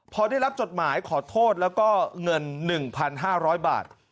พอได้รับจดหมายขอโทษแล้วก็เงิน๑๕๐๐บาท